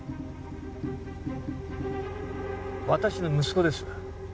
私の息子です